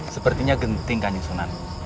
sepertinya genting kanjang sunan